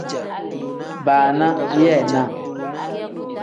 Baana yeenaa.